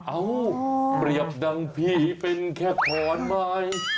อ้าวเปรียบดังผีเป็นแค่ขอนไม้